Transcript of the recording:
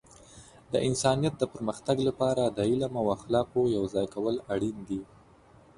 د انسانیت د پرمختګ لپاره د علم او اخلاقو یوځای کول اړین دي.